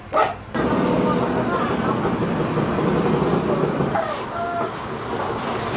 ครับครับ